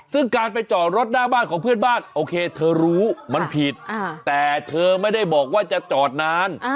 ซึ่งการไปจอดรถหน้าบ้านของเพื่อนบ้านโอเคเธอรู้มันผิดแต่เธอไม่ได้บอกว่าจะจอดนาน